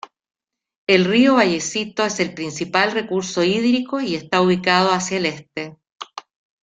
El río Vallecito es el principal recurso hídrico y está ubicado hacia el este.